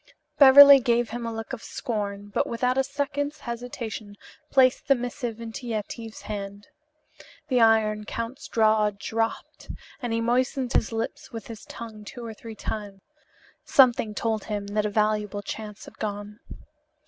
Beverly gave him a look of scorn, but without a second's hesitation placed the missive in Yetive's hand. The Iron Count's jaw dropped, and he moistened his lips with his tongue two or three times. Something told him that a valuable chance had gone.